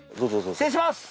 失礼します！